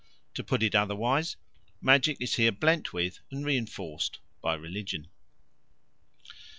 To put it otherwise, magic is here blent with and reinforced by religion.